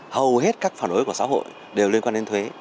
hầu hết các phản đối của xã hội đều liên quan đến thuế